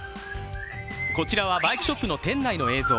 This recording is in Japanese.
こちらはバイクショップの店内の映像。